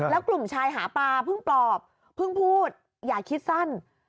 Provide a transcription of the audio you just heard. แล้วกลุ่มชายหาปลาเพิ่งปลอบเพิ่งพูดอย่าคิดสั้น